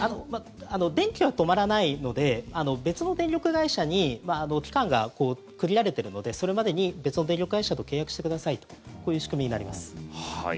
電気は止まらないので別の電力会社に期間が区切られているのでそれまでに別の電力会社と契約してくださいとこういう仕組みになります。